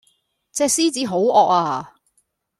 隻獅子好惡呀